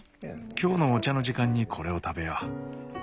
今日のお茶の時間にこれを食べよう。